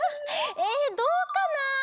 えどうかな？